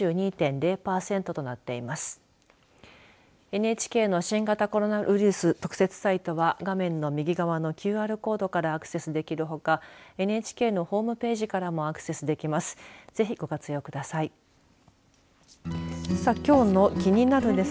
ＮＨＫの新型コロナウイルス特設サイトは画面右側のＱＲコードからアクセスできるほかＮＨＫのホームページからもアクセスできます。